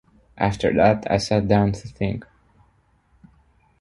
After that I sat down to think.